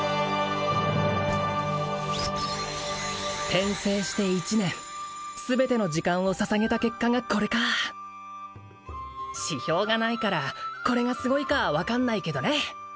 転生して１年全ての時間を捧げた結果がこれか指標がないからこれがすごいかは分かんないけどね